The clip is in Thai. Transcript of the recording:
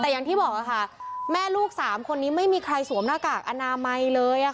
แต่อย่างที่บอกค่ะแม่ลูก๓คนนี้ไม่มีใครสวมหน้ากากอนามัยเลย